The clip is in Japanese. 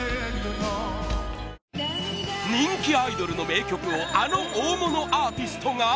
人気アイドルの名曲をあの大物アーティストが？